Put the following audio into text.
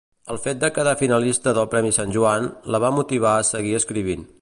El fet de quedar finalista del Premi Sant Joan, la va motivar a seguir escrivint.